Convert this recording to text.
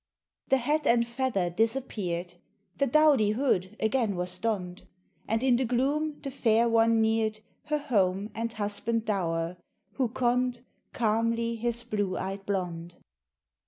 The hat and feather disappeared, The dowdy hood again was donned, And in the gloom the fair one neared Her home and husband dour, who conned Calmly his blue eyed blonde.